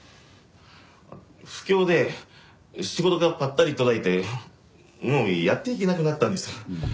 不況で仕事がぱったり途絶えてもうやっていけなくなったんです。